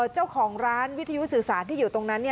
เจ้าของร้านวิทยุสื่อสารที่อยู่ตรงนั้น